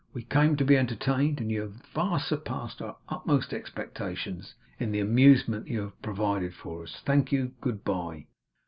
We came to be entertained, and you have far surpassed our utmost expectations, in the amusement you have provided for us. Thank you. Good bye!